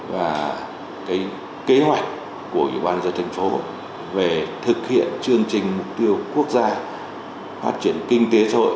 và cái kế hoạch của ủy ban dân thành phố về thực hiện chương trình mục tiêu quốc gia phát triển kinh tế xã hội